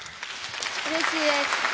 うれしいです。